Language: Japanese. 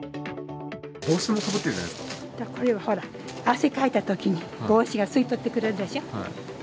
帽子もかぶってるじゃないでこれはほら、汗かいたときに帽子が吸い取ってくれるでしょ。